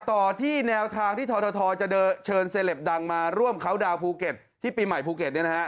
ต่อที่แนวทางที่ททจะเชิญเซลปดังมาร่วมเขาดาวนภูเก็ตที่ปีใหม่ภูเก็ต